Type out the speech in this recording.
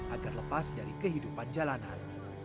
agar lepas dari kehidupan jalanan